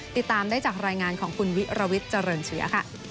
ติดตามได้จากรายงานของคุณวิระวิทเจริญเชีย